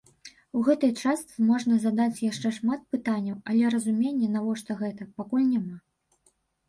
У гэтай частцы можна задаць яшчэ шмат пытанняў, але разумення, навошта гэта, пакуль няма.